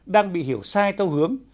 đang bị hiểu sai tâu hướng